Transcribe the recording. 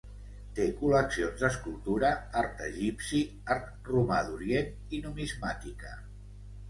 Té col·leccions d'escultura, art egipci, art romà d'Orient i numismàtica.